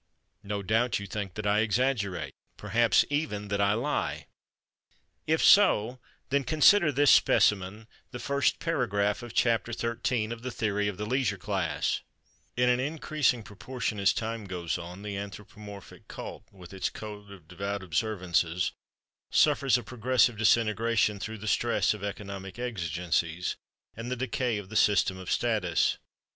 No doubt you think that I exaggerate—perhaps even that I lie. If so, then consider this specimen—the first paragraph of Chapter XIII of "The Theory of the Leisure Class": In an increasing proportion as time goes on, the anthropomorphic cult, with its code of devout observances, suffers a progressive disintegration through the stress of economic exigencies and the decay of the system of status.